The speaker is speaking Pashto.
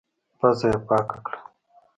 پزه يې پاکه کړه.